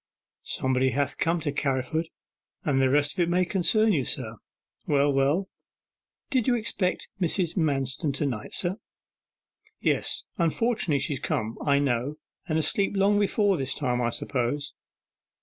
'Somebody ha' come to Carriford: and the rest of it may concern you, sir.' 'Well, well.' 'Did you expect Mrs. Manston to night, sir?' 'Yes, unfortunately she's come, I know, and asleep long before this time, I suppose.